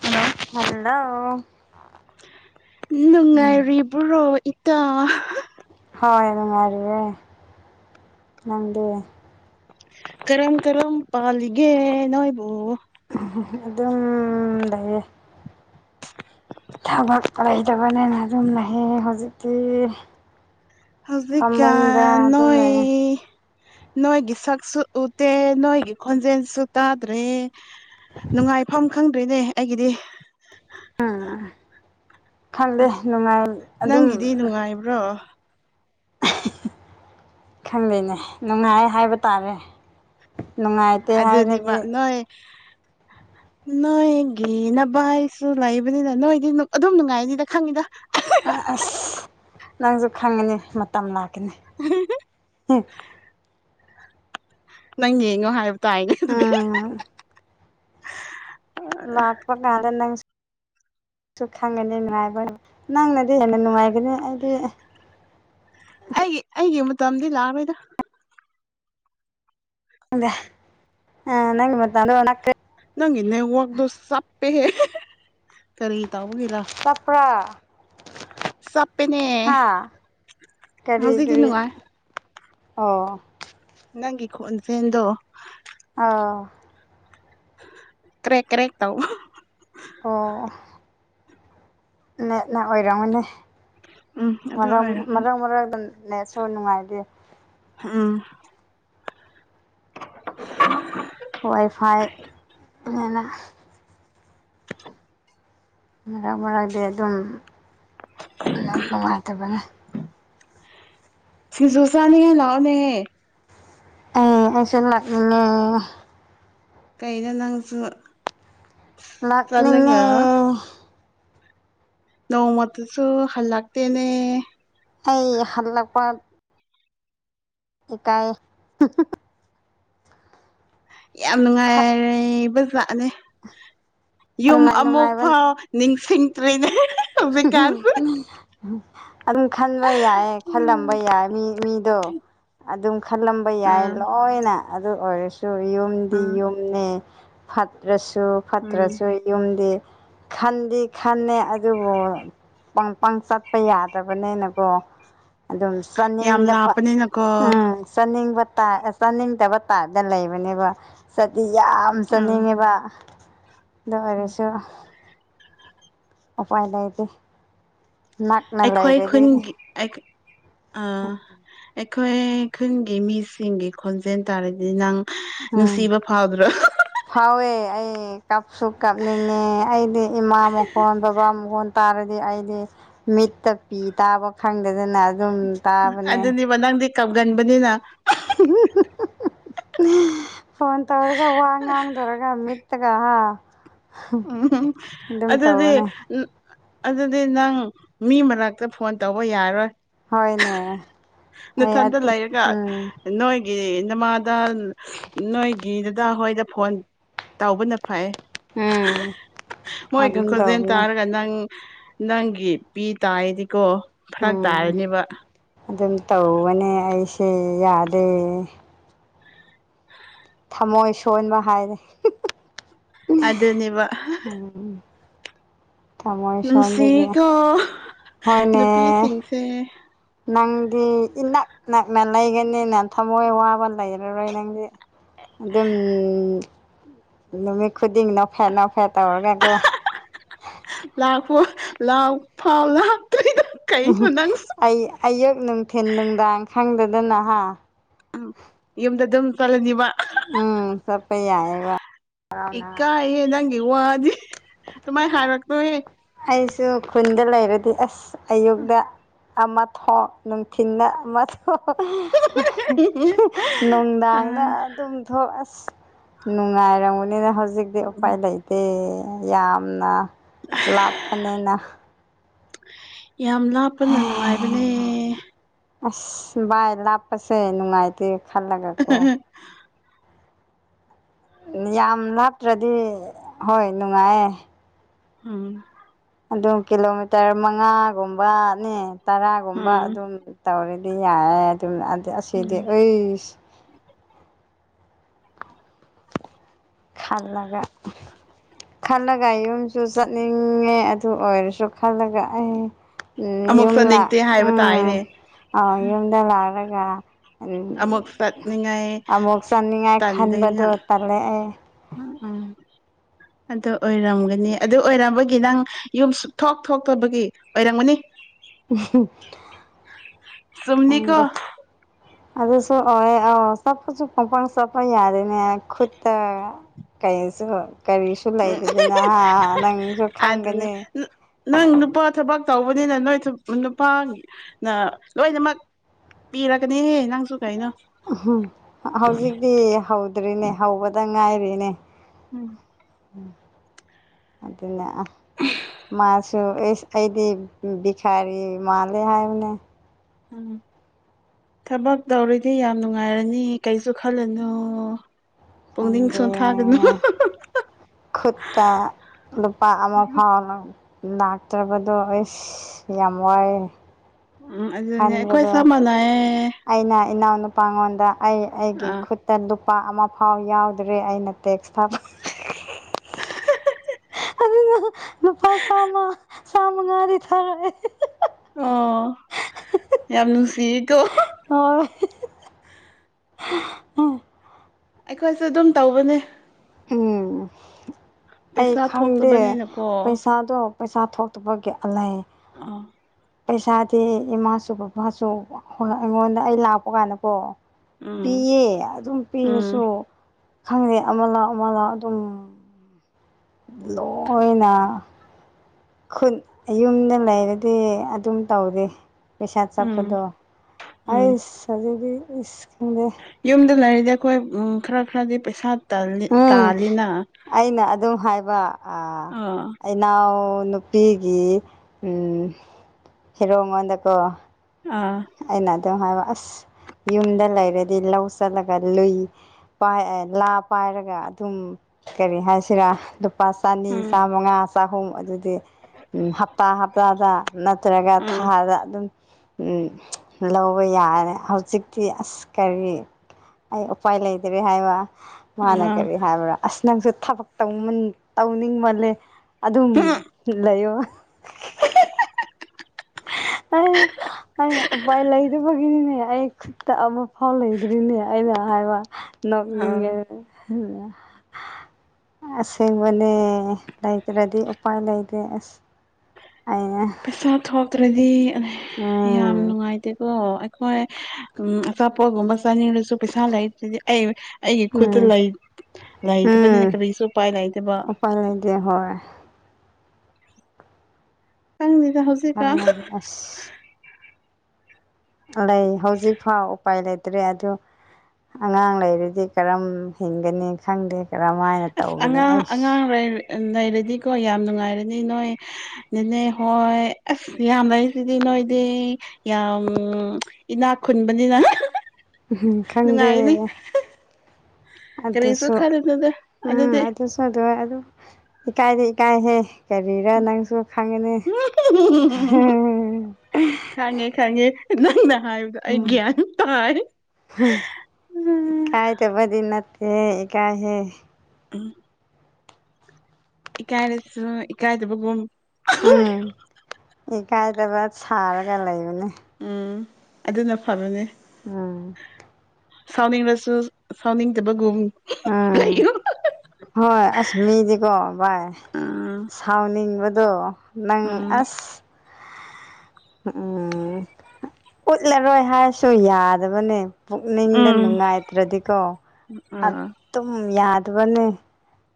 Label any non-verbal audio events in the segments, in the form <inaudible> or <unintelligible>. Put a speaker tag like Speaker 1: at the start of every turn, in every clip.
Speaker 1: hello
Speaker 2: hello ꯎꯝ
Speaker 1: ꯅꯨꯡꯉꯥꯏꯔꯤꯕ꯭ꯔꯣ ꯏꯇꯥ
Speaker 2: ꯍꯣꯏ ꯅꯨꯡꯉꯥꯏꯔꯨꯔꯦ ꯅꯪꯗꯦ
Speaker 1: ꯀꯔꯝ ꯀꯔꯝ ꯄꯥꯜꯂꯤꯒꯦ ꯅꯣꯏꯕꯨ
Speaker 2: ꯑꯗꯨꯝ ꯂꯩꯌꯦ ꯊꯕꯛ ꯂꯩꯇꯕꯅꯤꯅ ꯑꯗꯨꯝꯅꯍ ꯍꯧꯖꯤꯛꯇꯤ ꯐꯃꯨꯡꯗ
Speaker 1: ꯍꯧꯖꯤꯀꯥꯟ
Speaker 2: ꯑꯗꯨꯝ
Speaker 1: ꯅꯣꯏ
Speaker 2: ꯂꯩꯌꯦ
Speaker 1: ꯅꯣꯏꯒꯤ ꯁꯛꯁꯨꯠ ꯎꯇꯦ ꯅꯣꯏꯒꯤ ꯈꯣꯟꯟꯖꯦꯟꯦꯟ ꯁꯨꯛꯇꯗ꯭ꯔꯦ ꯅꯨꯡꯉꯥꯏꯐꯝ ꯈꯪꯗꯣꯏꯅꯦ ꯑꯩꯒꯤꯗꯤ
Speaker 2: ꯎꯝ ꯈꯪꯗꯦ ꯅꯨꯡꯉꯥꯏ ꯑꯗꯨꯝ
Speaker 1: ꯅꯪꯒꯤꯗꯤ ꯅꯨꯡꯉꯥꯏꯕ꯭ꯔꯣ
Speaker 2: ꯈꯪꯗꯦꯅꯦ ꯅꯨꯡꯉꯥꯏ ꯍꯥꯏꯕ ꯇꯥꯔꯦ ꯅꯨꯡꯉꯥꯏꯇꯦ
Speaker 1: ꯑꯗꯨꯅꯦꯕ
Speaker 2: ꯍꯥꯏꯔꯗꯤ
Speaker 1: ꯅꯣꯏ <inaudible> ꯅꯣꯏꯒꯤ ꯅꯚꯥꯏꯁꯨ ꯂꯩꯕꯅꯤꯅ ꯅꯣꯏꯗꯤ ꯑꯗꯨꯝ ꯅꯨꯡꯉꯥꯏꯅꯤꯗ ꯈꯪꯉꯤꯗ
Speaker 2: ꯑ ꯑꯁ ꯅꯪꯁꯨ ꯈꯪꯉꯅꯤ ꯃꯇꯝ ꯂꯥꯛ ꯀꯅꯤ ꯍꯥ
Speaker 1: ꯅꯪ ꯌꯦꯡꯉꯣ ꯍꯥꯏꯕ ꯇꯥꯏꯅꯦ ꯑꯗꯨꯗꯤ
Speaker 2: ꯎꯝ ꯂꯥꯛꯄ ꯀꯥꯟꯗ ꯅꯁꯨ
Speaker 1: <inaudible>
Speaker 2: ꯁꯨ ꯈꯪꯒꯅꯤ ꯅꯨꯡꯉꯥꯏꯕ ꯅꯪꯅꯗꯤ ꯍꯦꯟꯅ ꯅꯨꯡꯉꯥꯏꯒꯅꯤ ꯑꯩꯗꯤ
Speaker 1: ꯑꯩꯒꯤ ꯑꯩꯒꯤ ꯃꯇꯝꯗꯤ ꯂꯥꯛꯑꯔꯣꯏꯗ
Speaker 2: ꯑꯗꯦ ꯑ ꯅꯪ ꯃꯇꯝ
Speaker 1: ꯅꯪ ꯅꯦꯠꯋꯥꯛꯗꯣ ꯆꯞꯄꯦꯍꯦ ꯀꯔꯤ ꯇꯧ
Speaker 2: ꯆꯄ꯭ꯔ
Speaker 1: ꯆꯞꯄꯦꯅꯦ
Speaker 2: ꯍꯥꯥ ꯀꯔꯤ
Speaker 1: ꯍꯧꯖꯤꯛꯇꯤ
Speaker 2: ꯀꯔꯤ
Speaker 1: ꯅꯨꯡꯉꯥꯏ
Speaker 2: ꯑꯣ
Speaker 1: ꯅꯪꯒꯤ ꯈꯣꯟꯖꯦ ꯟꯗꯣ
Speaker 2: ꯑꯥ
Speaker 1: ꯀ꯭ꯔꯦ ꯀ꯭ꯔꯦꯛ ꯇꯎ
Speaker 2: ꯑꯣ ꯅꯦꯠꯅ ꯑꯣꯏꯔꯝꯃꯅꯦ
Speaker 1: ꯎꯝ ꯑꯗꯨ
Speaker 2: ꯃꯔ
Speaker 1: ꯑꯣꯏꯔꯝꯅꯤ
Speaker 2: ꯃꯔꯛ ꯃꯔꯛꯗ ꯅꯦꯁꯨ ꯅꯨꯡꯉꯥꯏꯇꯦ
Speaker 1: ꯎꯝ <unintelligible>
Speaker 2: ꯋꯥꯏꯐꯥꯏ ꯃꯅ ꯃꯔꯛ ꯃꯔꯛꯇꯤ ꯑꯗꯨꯝ ꯅꯨꯡꯉꯥꯏꯇꯕꯅꯦ
Speaker 1: ꯁꯤꯖꯨꯁꯥꯅꯤꯉꯦ ꯂꯥꯑꯣꯅꯦꯍꯦ
Speaker 2: ꯑ ꯑꯩꯁꯨ ꯂꯥꯛꯅꯤꯡꯉꯦ
Speaker 1: ꯀꯩꯅꯣ ꯅꯁꯨ
Speaker 2: ꯂꯥꯛꯅꯤꯡꯉꯦ
Speaker 1: ꯅꯣꯡꯃꯇꯁꯨ ꯈꯜꯂꯛꯇꯦꯅꯦ
Speaker 2: ꯑꯩ ꯍꯜꯂꯥꯛꯄꯠ ꯏꯀꯥꯏꯌꯦ
Speaker 1: ꯌꯥꯝ
Speaker 2: ꯈ
Speaker 1: ꯅꯨꯡꯉꯥꯏꯔꯦꯕ ꯂꯥꯛꯑꯅꯤ ꯌꯨꯝ
Speaker 2: ꯅꯨꯡꯉꯥꯏ
Speaker 1: ꯑꯃꯨꯛ
Speaker 2: ꯅꯨꯡꯉꯥꯏꯕ
Speaker 1: ꯐꯥꯎ ꯅꯤꯡꯁꯤꯡꯇ꯭ꯔꯤꯅꯦ
Speaker 2: <unintelligible> ꯑꯗꯨꯝ ꯈꯟꯕ ꯌꯥꯏ ꯈꯜꯂꯝꯕ
Speaker 1: ꯑꯥ
Speaker 2: ꯌꯥꯏ ꯃꯤ ꯃꯤꯗꯣ ꯑꯗꯨꯝ ꯈꯜꯂꯝꯕ ꯌꯥꯏ
Speaker 1: ꯑꯥ
Speaker 2: ꯂꯣꯏꯅ ꯑꯗꯨ ꯑꯣꯏꯔꯁꯨ ꯌꯨꯝꯗꯤ ꯌꯨꯝꯅꯤ ꯐꯠꯇ꯭ꯔꯁꯨ
Speaker 1: ꯎꯝ
Speaker 2: ꯐꯠꯇ꯭ꯔꯁꯨ ꯌꯨꯝꯗꯤ ꯈꯟꯗꯤ ꯈꯟꯅꯦ ꯑ ꯗꯨꯕꯨ ꯄ ꯄꯪ ꯆꯠꯄ ꯌꯥꯗꯕꯅꯤꯅꯀꯣ ꯑꯗꯨꯝ
Speaker 1: ꯌꯥꯝ
Speaker 2: ꯆꯠꯅꯤꯡꯗ
Speaker 1: ꯂꯥꯞꯄꯅꯤꯅꯀꯣ
Speaker 2: ꯎꯝ ꯆꯥꯅꯤꯡꯕ ꯇꯥ ꯆꯅꯤꯡꯗꯕ ꯇꯥꯗ ꯂꯩꯕꯅꯦꯕ ꯆꯗꯤ ꯌꯥꯝ
Speaker 1: ꯑꯥ
Speaker 2: ꯆꯥꯅꯤꯡꯉꯦꯕ ꯗꯨ ꯑꯣꯏꯔꯁꯨ ꯎꯄꯥꯏ ꯂꯩꯇꯦ ꯅꯛꯅ ꯂꯩꯔꯗꯤ
Speaker 1: ꯑ ꯑꯩꯈꯣꯏ ꯈꯨꯟꯒꯤ ꯃꯤꯁꯤꯡꯒꯤ ꯈꯣꯟꯖꯦꯜ ꯇꯥꯔꯗꯤ ꯅꯪ
Speaker 2: ꯎꯝ
Speaker 1: ꯅꯨꯡꯁꯤꯕ ꯐꯥꯎꯗ꯭ꯔꯣ
Speaker 2: ꯐꯥꯎꯋꯦ ꯑꯩ ꯀꯥꯞꯁꯨ ꯀꯥꯞꯅꯤꯡꯉꯦ ꯑꯩꯗꯤ ꯏꯃꯥ ꯃꯈꯣꯟ ꯕꯕꯥ ꯃꯈꯣꯟ ꯇꯥꯔꯗꯤ ꯑꯩꯗꯤ ꯃꯤꯠꯇ ꯄꯤ ꯇꯥꯕ ꯈꯪꯗꯦꯗꯅ
Speaker 1: ꯑꯗꯨꯅꯤꯕ ꯅꯪꯗꯤ ꯀꯞꯒꯟꯕꯅꯤꯅ
Speaker 2: ꯐꯣꯟ ꯇꯧꯔꯒ ꯋꯥ ꯉꯥꯡꯗꯔꯒ ꯃꯤꯠ ꯏꯠꯇꯀ
Speaker 1: ꯎꯝ ꯑꯗꯗꯤ ꯑꯗꯨꯗꯤ ꯅꯪ ꯃꯤ ꯃꯔꯛꯇ ꯐꯣꯟ ꯇꯧꯕ ꯌꯥꯔꯣꯏ
Speaker 2: ꯍꯣꯏꯅꯦ ꯑꯩ
Speaker 1: ꯃꯊꯟꯇ ꯂꯩꯔꯒ
Speaker 2: ꯎꯝ
Speaker 1: ꯅꯣꯏ ꯒꯤ ꯅꯃꯥꯗ ꯅꯣꯏꯒꯤꯗꯨꯗ ꯍꯣꯏꯗ ꯐꯣꯟ ꯇꯥꯎꯕꯅ ꯐꯩ
Speaker 2: ꯎꯝ
Speaker 1: ꯃꯣꯏꯒꯤ
Speaker 2: ꯑꯗꯨꯝ
Speaker 1: ꯈꯖꯦꯜ
Speaker 2: ꯇꯧꯕꯅꯦ
Speaker 1: ꯇꯥꯔꯒ ꯅꯪ ꯅꯪꯒꯤ ꯄꯤ ꯇꯥꯔꯤꯗꯤꯀꯣ ꯐꯔꯛ
Speaker 2: ꯎꯝ
Speaker 1: ꯇꯥꯔꯅꯦꯕ
Speaker 2: ꯑꯗꯨꯝ ꯇꯧꯕꯅꯦ ꯑꯩꯁꯦ ꯌꯥꯗꯦ ꯊꯝꯃꯣꯏ ꯁꯣꯏꯕ ꯍꯥꯏꯔꯦ
Speaker 1: ꯑꯗꯅꯤꯕ
Speaker 2: ꯎꯝ ꯊꯃꯣꯏ ꯁꯕꯗꯒꯤ ꯍꯣꯏꯅꯦ
Speaker 1: ꯅꯨꯄꯤꯁꯤꯡꯁꯦ
Speaker 2: ꯅꯪ ꯗꯤ ꯏꯅꯛ ꯅꯛꯅ ꯂꯩꯒꯅꯤꯅꯪ ꯊꯃꯣꯏ ꯋꯥꯕ ꯂꯩꯔꯔꯣꯏ ꯅꯪꯗꯤ ꯑꯗꯨꯝ ꯅꯨꯃꯤꯠ ꯈꯨꯗꯤꯡ ꯅꯣꯐꯦꯠ ꯅꯣꯐꯦꯠ ꯇꯧꯔꯒꯀꯣ
Speaker 1: ꯂꯥꯎ ꯐ ꯂꯥꯎ ꯐꯥꯎ ꯂꯥꯎ
Speaker 2: ꯎ ꯑꯩ ꯑꯌꯨꯛ ꯅꯨꯡꯊꯤꯟ ꯅꯨꯡꯗꯥꯡ ꯈꯪꯗꯗꯅꯍꯥ
Speaker 1: ꯎ ꯌꯝꯗ ꯑꯗꯨꯝ ꯆꯂꯅꯤꯕ
Speaker 2: ꯎꯝ ꯁꯄꯩꯌꯥꯑꯕ
Speaker 1: ꯏꯀꯥꯏꯍꯦ ꯅꯪꯒꯤ ꯋꯥꯗꯤ ꯑꯗꯨꯃꯥꯏꯅ ꯍꯥꯏꯔꯛꯇꯣꯏꯍꯦ
Speaker 2: ꯑꯩꯁꯨ ꯈꯨꯟꯗ ꯂꯩꯔꯗꯤ ꯑꯁ ꯑꯌꯨꯛꯇ ꯑ ꯃ ꯊꯣ ꯅꯝꯐꯤꯤꯟꯅ ꯃ ꯅꯨꯡꯗꯥꯡꯗ
Speaker 1: ꯑ
Speaker 2: ꯑꯗꯨꯝ ꯊꯣꯛꯑꯁ ꯅꯨꯡꯉꯥꯏꯔꯝꯒꯅꯤꯅ ꯍꯧꯖꯤꯛꯇꯤ
Speaker 1: ꯎꯝ
Speaker 2: ꯎꯄꯥꯏ ꯂꯩꯇꯦ ꯌꯥꯝꯅ ꯂꯥꯛꯞꯄꯅꯦꯅ
Speaker 1: ꯌꯥꯝ ꯂꯥꯞꯄꯅ ꯅꯨꯡꯉꯥꯏꯕꯅꯦ
Speaker 2: ꯑꯁ ꯚꯥꯏ ꯂꯥꯞꯄꯁꯦ ꯅꯨꯡꯉꯥꯏꯇꯦ ꯈꯜꯂꯒꯀꯣ ꯌꯥꯝ ꯂꯥꯞꯇ꯭ꯔꯗꯤ ꯍꯣꯏ ꯅꯨꯡꯉꯥꯏꯦ
Speaker 1: ꯑꯝ
Speaker 2: ꯑꯗꯨꯝ ꯀꯤꯂꯣꯃꯤꯇꯔ ꯃꯉꯥꯒꯨꯝꯕꯅꯦ ꯇꯔꯥꯒꯨꯝꯕ
Speaker 1: ꯎꯝ
Speaker 2: ꯑꯗꯨꯝ ꯇꯧꯔꯤ ꯗꯤ ꯌꯥꯔꯦ ꯑꯗꯨꯝ ꯑꯁꯤꯗꯤ
Speaker 1: ꯎꯝ
Speaker 2: ꯑꯩ ꯈꯜ ꯂꯒꯒ ꯈꯜꯂꯒ ꯌꯨꯝꯁꯨ ꯆꯠꯅꯤꯡꯉꯦ ꯑꯗꯨ ꯑꯣꯏꯔꯁꯨ ꯈꯜꯂꯒ ꯑꯩ ꯎꯝ
Speaker 1: ꯑꯃꯨꯛ
Speaker 2: ꯌꯨꯝ ꯂ
Speaker 1: ꯆꯠꯅꯤꯡꯗꯦ ꯍꯥꯏꯕ
Speaker 2: ꯎꯝ
Speaker 1: ꯇꯥꯏꯅꯦ
Speaker 2: ꯑ ꯌꯨꯝꯗ ꯂꯥꯛꯑꯔꯒ
Speaker 1: ꯑꯃꯨꯛ ꯆꯠꯅꯤꯡꯉꯥꯏ
Speaker 2: ꯑꯃꯨꯛ ꯆꯥꯅꯤꯡꯉꯥꯏ ꯈꯟꯕꯗꯣ ꯇꯜꯂꯛꯑꯦ
Speaker 1: ꯑꯥ ꯑꯗꯨ ꯑꯣꯏꯔꯝꯒꯅꯤ ꯑꯗꯨ ꯑꯣꯏꯔꯝꯕꯒꯤ ꯅꯪ ꯌꯨꯝ ꯊꯣꯛ ꯊꯣꯛ ꯊꯄꯒꯤ ꯑꯣꯏꯔꯝꯒꯅꯤ ꯆꯨꯝꯅꯤꯀꯣ
Speaker 2: ꯍꯪꯗ ꯑꯗꯨꯁꯨ ꯍ ꯑ ꯁꯄꯁꯨ ꯄꯪꯄꯪ ꯁꯞꯄ ꯌꯥꯔꯦꯅꯦ ꯈꯨꯠꯇ ꯀꯔꯤꯁꯨ ꯀꯔꯤꯁꯨ
Speaker 1: ꯎꯝ
Speaker 2: ꯂꯩꯗꯦꯗꯅ ꯅꯪꯁꯨ
Speaker 1: ꯑꯗꯨꯅꯦ
Speaker 2: ꯈꯪꯒꯅꯤ
Speaker 1: ꯅꯪ ꯅꯨꯄꯥ ꯊꯕꯛ ꯇꯧꯕꯅꯤꯅ ꯅꯣꯏ ꯅꯨꯄꯥꯅ ꯂꯣꯏꯅꯃꯛ ꯄꯤꯔ ꯀꯅꯤ
Speaker 2: ꯝ ꯍꯧꯖꯤꯛꯇꯤ ꯍꯧꯗ꯭ꯔꯤꯅꯦ ꯍꯧꯕꯗ ꯉꯥꯏꯔꯤꯅꯦ
Speaker 1: ꯎꯝ
Speaker 2: ꯃꯥ ꯁꯨ ꯑꯩꯗꯤ ꯕꯤꯈꯥꯔꯤ ꯃꯥꯜꯂꯦ ꯍꯥꯏꯕꯅꯦ
Speaker 1: ꯎꯝ ꯊꯕꯛ ꯇꯧꯔꯤꯗꯤ ꯌꯥꯝ ꯅꯨꯡꯉꯥꯏꯔꯅꯤ ꯀꯩꯁꯨ ꯈꯜꯂꯅꯨ ꯄꯨꯛꯅꯤꯡ
Speaker 2: ꯈꯪꯗꯦ
Speaker 1: ꯁꯣ ꯊꯥꯒꯅꯤꯨ
Speaker 2: ꯈꯨꯠꯇ ꯂꯨꯄꯥ ꯑꯃ ꯐꯥꯎꯅ ꯂꯥꯛꯇ꯭ꯔꯕꯗꯣ ꯑꯁ ꯌꯥꯝ ꯋꯥꯏꯑꯦ
Speaker 1: ꯎꯝ ꯑꯗꯨꯅꯦ ꯑꯩꯈꯣꯏ
Speaker 2: ꯈꯟꯕꯗꯣ
Speaker 1: ꯆꯞ ꯃꯥꯟꯅꯩꯌꯦ
Speaker 2: ꯑꯩꯅ ꯏꯅꯥꯎꯅꯄꯥꯉꯣꯟꯗ ꯑꯩ ꯑꯩꯒꯤ
Speaker 1: ꯑꯥ
Speaker 2: ꯈꯨꯠꯇ ꯂꯨꯄꯥ ꯑꯃ ꯐꯥꯎ ꯌꯥꯎꯗ꯭ꯔꯦ ꯑꯩꯅ ꯇꯦꯛꯁ ꯊ ꯑꯗꯨꯅ ꯅꯨꯄꯥ ꯆꯥꯃ ꯆꯥꯝꯃ ꯉꯥꯗꯤ ꯊꯥꯔꯛꯑꯦ
Speaker 1: ꯑꯣ ꯌꯥꯝ ꯅꯨꯡꯁꯤꯀꯣ
Speaker 2: ꯎꯝ
Speaker 1: ꯑꯩꯈꯣꯏꯁꯨꯦ ꯑꯗꯨꯝ ꯇꯧꯕꯅꯦ
Speaker 2: ꯎꯝ ꯑꯩ
Speaker 1: ꯄꯩꯁꯥ
Speaker 2: ꯈꯪꯗꯦ
Speaker 1: ꯊꯣꯛꯇꯕꯅꯤꯅꯀꯣ
Speaker 2: ꯄꯩꯁꯥꯗꯣ ꯄꯩꯁꯥ ꯊꯣꯛꯇꯕꯒꯤ ꯂꯩ
Speaker 1: ꯑꯥ
Speaker 2: ꯄꯩꯁꯥꯗꯤ ꯏꯃꯥꯁꯨ ꯕꯕꯥꯁꯨ ꯍ ꯑꯩꯉꯣꯟꯗ ꯑꯩ ꯂꯥꯛꯄ ꯀꯥꯟꯗꯀꯣ
Speaker 1: ꯎꯝ
Speaker 2: ꯄꯤꯌꯦ ꯑꯗꯨꯝ
Speaker 1: ꯎꯝ
Speaker 2: ꯄꯤꯔꯁꯨ ꯈꯪꯗꯦ ꯑꯃ ꯂꯥꯎꯑꯣ ꯃꯅ ꯑꯗꯨꯝ ꯂꯣꯏꯣꯏꯅ ꯈꯨꯠ ꯌꯨꯝꯗ ꯂꯩꯔꯗꯤ ꯑꯗꯨꯝ ꯇꯧꯔꯤꯦ ꯄꯩꯁꯥ
Speaker 1: ꯎꯝ
Speaker 2: ꯆꯠꯄꯗꯣ
Speaker 1: ꯎꯝ
Speaker 2: ꯑꯩꯁ ꯑꯗꯨꯖꯤꯗꯤ
Speaker 1: ꯌꯨꯝꯗ ꯂꯩꯔꯤꯗꯤ ꯑꯩꯈꯣꯏ ꯎ ꯈꯔ ꯈꯔꯗꯤ ꯄꯩꯁꯥ ꯇꯥꯜꯂꯤ
Speaker 2: ꯎꯝ
Speaker 1: ꯇꯥꯜꯂꯤꯅ
Speaker 2: ꯑꯩꯅ ꯑꯗꯨꯝ ꯍꯥꯏꯕ
Speaker 1: ꯑꯥ
Speaker 2: ꯏꯅꯥꯎ ꯅꯨꯄꯤꯒꯤ ꯎ ꯍꯦꯔꯣꯉꯣꯟꯗꯀꯣ
Speaker 1: ꯑꯥ
Speaker 2: ꯑꯩꯅ ꯑꯗꯨꯝ ꯍꯥꯏꯕ ꯑꯁ ꯌꯨꯝꯗ ꯂꯩꯔꯗꯤ ꯂꯧ ꯆꯠꯂꯒ ꯂꯨꯏ ꯂꯥ ꯄꯥꯏꯔꯒ ꯑꯗꯨꯝ ꯀꯔꯤ ꯍꯥꯏꯁꯤꯔꯥ ꯂꯨꯄꯥ ꯆꯅꯤ
Speaker 1: ꯎꯝ
Speaker 2: ꯁꯥ ꯃꯉꯥ ꯆꯍꯨꯝ ꯑꯗꯨ ꯍꯥꯏꯗꯤ ꯎ ꯍꯞꯇꯥ ꯍꯞꯇꯥꯗ ꯅꯠꯇ꯭ꯔꯒ
Speaker 1: ꯎꯝ
Speaker 2: ꯊꯥꯗ ꯑꯗꯨꯝ ꯎꯝ ꯂꯧꯕ ꯌꯥꯔꯦ ꯍꯧꯖꯤꯛꯇꯤ ꯑꯁ ꯀꯔꯤ ꯑꯩ ꯎꯄꯥꯏ ꯂꯩꯇ꯭ꯔꯦ ꯍꯥꯏꯕ ꯃꯥꯅ
Speaker 1: ꯎꯝ
Speaker 2: ꯀꯔꯤ ꯍꯥꯏꯕ꯭ꯔꯥ ꯑꯁ ꯅꯪꯁꯨ ꯊꯕꯛ ꯇꯧꯅꯤꯡꯃꯜꯂꯦ ꯑꯗꯨꯝ ꯂꯩꯌꯣ
Speaker 1: <inaudible>
Speaker 2: ꯍꯥꯏ ꯎꯄꯥꯏ ꯂꯩꯗꯕꯒꯤꯅꯤꯅꯦ ꯑꯩ ꯈꯨꯠꯇ ꯑꯃ ꯐꯥꯎ ꯂꯩꯗ꯭ꯔꯤꯅꯦ ꯑꯩꯅ ꯍꯥꯏꯕ ꯅꯅꯤꯡꯉ
Speaker 1: ꯑꯥ
Speaker 2: ꯑꯁꯦꯡꯕꯅꯦ ꯂꯩꯇ꯭ꯔꯗꯤ ꯎꯄꯥꯏ ꯂꯩꯇꯦ ꯑꯁ ꯑꯩꯅ
Speaker 1: ꯄꯩꯁꯥ ꯊꯣꯛꯇ꯭ꯔꯗꯤ ꯌꯥꯝ
Speaker 2: ꯎꯝ
Speaker 1: ꯅꯨꯡꯉꯥꯏꯇꯦꯀꯣ ꯣꯏ ꯎ ꯆꯥꯄꯒ ꯆꯥꯅꯤꯡꯔꯁꯨ ꯄꯩꯁꯥ ꯂꯩꯇ꯭ꯔꯗꯤ ꯑꯩ ꯑꯩꯒꯤ ꯈꯨꯠꯇ
Speaker 2: ꯎꯝ
Speaker 1: ꯂꯩꯇꯕꯅꯤꯅ ꯀꯔꯤꯁꯨ ꯎꯄꯥꯏ ꯂꯩ ꯍꯥꯏꯗꯕ
Speaker 2: ꯐꯦꯗꯤ ꯍꯣꯏ
Speaker 1: <inaudible> ꯇꯪꯅꯤꯗ ꯍꯧꯖꯤꯛꯀ
Speaker 2: ꯈꯜꯂꯒ ꯑꯁ ꯂꯩ ꯍꯧꯖꯤꯛ ꯐꯥꯎ ꯎꯄꯥꯏ ꯂꯩꯇꯦ ꯐꯠꯇ꯭ꯔꯦ ꯑꯗꯨꯗ ꯑꯉꯥꯡ ꯂꯩꯔꯗꯤ ꯀꯔꯝ ꯍꯤꯡꯒꯅꯤ ꯈꯪꯗꯦ ꯀꯔꯝꯃꯥꯏꯅ
Speaker 1: ꯑꯁ
Speaker 2: ꯇꯧꯒꯅꯤ
Speaker 1: ꯑꯉꯥꯡ
Speaker 2: ꯑꯩ
Speaker 1: ꯑꯉꯥꯡ ꯂꯩ ꯂꯩꯔꯗꯤꯀꯣ ꯌꯥꯝ ꯅꯨꯡꯉꯥꯏꯔꯅꯤ ꯅꯣꯏ ꯅꯅꯦ ꯍꯣꯏ ꯑꯁ ꯌꯥꯝ ꯂꯩ ꯁꯤꯗꯤ ꯅꯣꯏ ꯅꯣꯏꯗꯤ ꯌꯥꯝ ꯏꯅꯥꯛ ꯈꯨꯟꯕꯅꯤꯅ
Speaker 2: ꯎꯝ ꯈꯪꯗꯦ
Speaker 1: ꯅꯨꯡꯉꯥꯏꯅꯦ
Speaker 2: ꯑꯗꯨꯁꯨ ꯎꯝ
Speaker 1: ꯑꯗꯨꯗꯤ
Speaker 2: ꯑꯗꯨꯁꯨ ꯑꯗꯨ ꯑꯗꯨ ꯏꯀꯥꯏꯗꯤ ꯏꯀꯥꯏꯍꯦ ꯀꯔꯤꯔ ꯅꯪꯁꯨ ꯈꯉꯅꯤ
Speaker 1: ꯈꯪꯉꯦ ꯈꯪꯉꯦ ꯅꯪꯅ ꯍꯥꯏꯕꯗ ꯑꯩ ꯒ꯭ꯌꯥꯟ ꯇꯥꯏ
Speaker 2: ꯑꯦ ꯀꯥꯏ ꯍꯦ
Speaker 1: ꯎꯝ ꯏꯀꯥꯏꯔꯁꯨ ꯏ ꯀꯥꯏꯗ
Speaker 2: ꯎꯝ ꯏꯀꯥꯏꯗꯕ ꯁꯥꯔꯒ ꯂꯩꯕꯅꯦ
Speaker 1: ꯎꯝ ꯑꯗꯨꯅ ꯐꯕꯅꯤ
Speaker 2: ꯎꯝ
Speaker 1: ꯁꯥꯎꯅꯤꯡꯔꯁꯨ ꯁꯥꯎꯅꯤꯡꯗꯕꯒꯨꯝ
Speaker 2: ꯑꯝ
Speaker 1: ꯂꯩꯌꯨ
Speaker 2: ꯍꯣꯏ ꯑꯁꯃꯤꯗꯤꯀꯣ ꯚꯥꯏ
Speaker 1: ꯎꯝ
Speaker 2: ꯁꯥꯎꯅꯤꯡ ꯑꯣ ꯅꯪ
Speaker 1: ꯎꯝ
Speaker 2: ꯑꯁ ꯎꯝ ꯎꯠꯂꯔꯣꯏ ꯍꯥꯏꯔꯁꯨ ꯌꯥꯗꯕꯅꯦ ꯄꯨꯛꯅꯤꯡꯗ
Speaker 1: ꯎꯝ
Speaker 2: ꯅꯨꯡꯉꯥꯏꯇ꯭ꯔꯗꯤꯀꯣ
Speaker 1: ꯑꯥ
Speaker 2: ꯑꯗꯨꯝ ꯌꯥꯗꯕꯅꯤ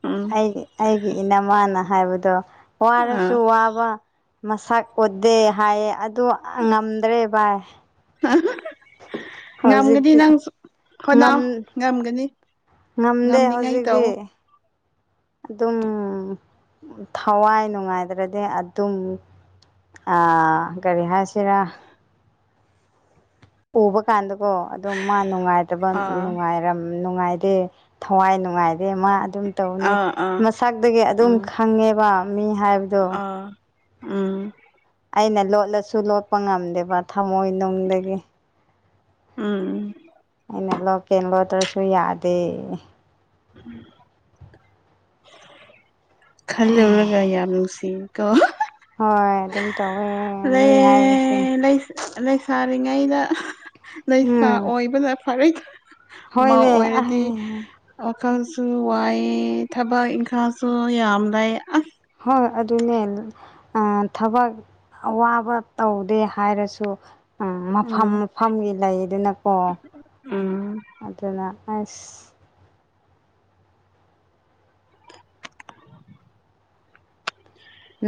Speaker 1: ꯎꯝ
Speaker 2: ꯑꯩ ꯑꯩꯒꯤ ꯏꯅꯃꯥꯅ ꯍꯥꯏꯕꯗꯣ
Speaker 1: ꯑꯥ
Speaker 2: ꯋꯥꯔꯁꯨ ꯋꯥꯕ ꯃꯁꯛ ꯑꯣꯗꯦ ꯍꯥꯏꯌꯦ ꯑꯗꯨ ꯉꯝꯗ꯭ꯔꯦ ꯚꯥꯏ
Speaker 1: ꯉꯝꯒꯅꯤ
Speaker 2: ꯍꯧꯖꯤꯛꯇꯤ
Speaker 1: ꯅꯪ ꯀꯅꯥꯎ
Speaker 2: ꯉꯝ
Speaker 1: ꯉꯝꯒꯅꯤ
Speaker 2: ꯉꯝꯗꯦ
Speaker 1: ꯉꯝꯅꯤꯉꯥꯏ
Speaker 2: ꯍꯧꯖꯤꯛꯇꯤ
Speaker 1: ꯇꯑꯣ
Speaker 2: ꯑꯗꯨꯝ ꯊꯋꯥꯏ ꯅꯨꯡꯉꯥꯏꯗ꯭ꯔꯗꯤ ꯑꯗꯨꯝ ꯑꯥ ꯀꯔꯤꯍꯥꯁꯤꯔ ꯎꯕ ꯀꯥꯟꯗꯀꯣ ꯑꯗꯨꯝ ꯃꯥ
Speaker 1: ꯑꯥ
Speaker 2: ꯅꯨꯡꯉꯥꯏꯇꯕꯅꯨꯡꯉꯥꯏꯔ ꯅꯨꯡꯉꯥꯏ ꯊꯋꯥꯏ ꯅꯨꯡꯉꯥꯏꯗꯦ ꯃꯥ ꯑꯗꯨꯝ ꯇꯧꯅꯤ
Speaker 1: ꯑꯥ ꯑꯥ
Speaker 2: ꯃꯁꯛꯇꯒꯤ ꯑꯗꯨꯝ
Speaker 1: ꯎꯝ
Speaker 2: ꯈꯪꯉꯦꯕ ꯃꯤ ꯍꯥꯏꯕꯗꯣ
Speaker 1: ꯑꯥ ꯎꯝ
Speaker 2: ꯑꯩꯅ ꯂꯣꯠꯂꯁꯨ ꯂꯣꯠꯄ ꯉꯝꯗꯦꯕ ꯊꯝꯃꯣꯏꯅꯨꯡꯗꯒꯤ
Speaker 1: ꯎꯝ
Speaker 2: ꯩꯅ ꯂꯧ ꯀꯦꯜꯂꯣꯗ꯭ꯔꯁꯨ ꯌꯥꯗꯦ
Speaker 1: ꯈꯟꯂꯔꯒ ꯌꯥꯝ ꯅꯨꯡꯁꯤ ꯀꯣ
Speaker 2: ꯍꯣꯏ ꯑꯗꯨꯝ ꯇꯧꯋꯦ ꯃꯤ ꯍꯥꯏꯕꯁꯦ
Speaker 1: ꯂꯩ ꯂꯩ ꯂꯩ ꯂꯩ ꯂꯩꯁꯥꯏ ꯉꯔꯤꯉꯩꯗ ꯂꯩꯁꯥ
Speaker 2: ꯎꯝ
Speaker 1: ꯑꯣꯏꯕꯅ ꯐꯔꯦ ꯃꯥ
Speaker 2: ꯍꯣꯏꯅꯦ
Speaker 1: ꯑꯣꯏꯔꯗꯤ
Speaker 2: ꯑꯩ
Speaker 1: ꯈꯀꯁꯨ ꯋꯥꯏ ꯊꯕꯛ ꯏꯀꯁꯨ ꯌꯥ ꯌꯥꯝ ꯑꯝꯥꯏ ꯑꯁ
Speaker 2: ꯍ ꯑꯗꯨꯅꯦ ꯊꯕꯛ ꯑꯋꯥꯕ ꯇꯧꯗꯦ ꯍꯥꯏꯔꯁꯨ ꯎꯝ ꯃꯐꯝ ꯃꯐꯝꯒꯤ ꯂꯩꯗꯨꯅꯀꯣ
Speaker 1: ꯎꯝ
Speaker 2: ꯑꯗꯨꯅ ꯑꯁ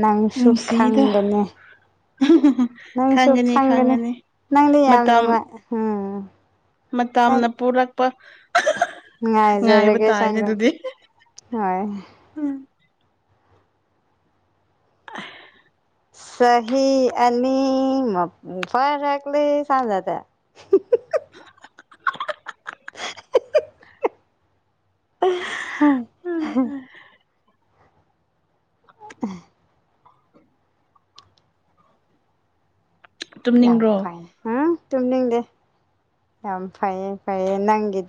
Speaker 2: ꯅꯪꯁꯨ ꯈꯪꯒꯅꯤ
Speaker 1: ꯎ <unintelligible>
Speaker 2: ꯅꯪꯁꯨ ꯐꯪꯒꯅꯤ ꯅꯪꯗꯤ ꯌꯥꯝ
Speaker 1: ꯃꯇꯝ
Speaker 2: ꯅꯨꯡꯉꯥꯏ ꯎꯝ ꯅꯪ
Speaker 1: ꯃꯇꯝꯅ ꯄꯨꯔꯛꯄ ꯉꯥꯏꯕ
Speaker 2: ꯉꯥꯏꯖꯔꯒꯦ
Speaker 1: ꯇꯥꯏꯅꯦ
Speaker 2: ꯆꯪꯒ
Speaker 1: ꯑꯗꯨꯗꯤ
Speaker 2: ꯍꯣꯏ
Speaker 1: ꯎꯝ
Speaker 2: ꯁꯍꯤ ꯑ ꯐꯔ ꯍꯀꯂꯤ ꯁꯥꯡꯖ ꯇ <unintelligible> <unintelligible> <unintelligible> ꯌꯥꯝ
Speaker 1: ꯇꯨꯝꯅꯤꯡꯕ꯭ꯔꯣ
Speaker 2: ꯐꯩꯌꯦ ꯎꯝ ꯇꯨꯝꯅꯤꯡꯗꯦ ꯌꯥꯝ ꯐꯩꯌꯦ ꯐꯩꯌꯦ ꯅꯪꯒꯤꯗꯤ